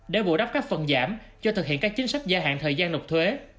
để bổ đắp các phần giảm cho thực hiện các chính sách gia hạn thời gian nợp thuế